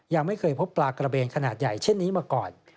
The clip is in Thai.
ยังไม่เคยพบปลากระเบนขนาดใหญ่เช่นนี้มาก่อน